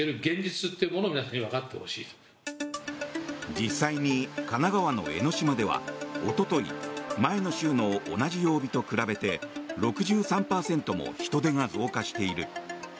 実際に神奈川の江の島ではおととい前の週の同じ曜日と比べて６３％も人出が増加している。